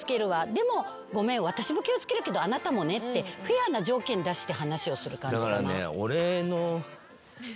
「でもごめん私も気を付けるけどあなたもね」ってフェアな条件出して話をする感じかな。